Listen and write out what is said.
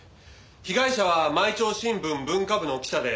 被害者は毎朝新聞文化部の記者で。